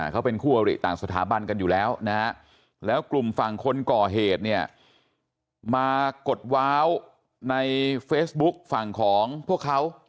เขาเป็นคู่อริต่างสถาบันกันอยู่แล้วนะฮะแล้วกลุ่มฝั่งคนก่อเหตุเนี่ยมากดว้าวในเฟซบุ๊คฝั่งของพวกเขา